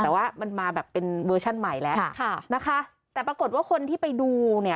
แต่ว่ามันมาแบบเป็นเวอร์ชั่นใหม่แล้วค่ะนะคะแต่ปรากฏว่าคนที่ไปดูเนี่ย